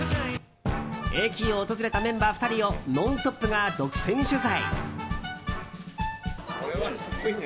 駅を訪れたメンバー２人を「ノンストップ！」が独占取材。